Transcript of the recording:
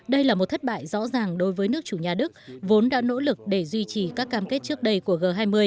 đây là một thất bại rõ ràng đối với nước chủ nhà đức vốn đã nỗ lực để duy trì các cam kết trước đây của g hai mươi